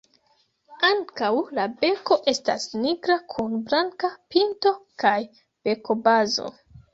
Ankaŭ la beko estas nigra kun blanka pinto kaj bekobazo.